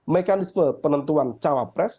mekanisme penentuan cawapres